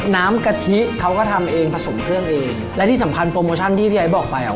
กะทิเขาก็ทำเองผสมเครื่องเองและที่สำคัญโปรโมชั่นที่พี่ไอ้บอกไปอ่ะ